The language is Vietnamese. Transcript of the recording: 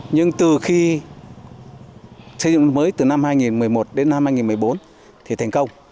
nhưng từ khi xây dựng mới từ năm hai nghìn một mươi một đến năm hai nghìn một mươi bốn thì thành công